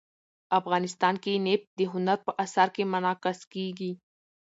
افغانستان کې نفت د هنر په اثار کې منعکس کېږي.